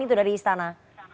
itu dari istana